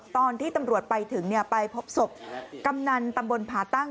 ตอนที่ตำรวจไปถึงไปพบศพกำนันตำบลผาตั้ง